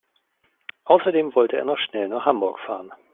Außerdem wollte er noch schnell nach Hamburg fahren